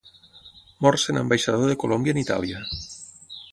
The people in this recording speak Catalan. Mor sent ambaixador de Colòmbia en Itàlia.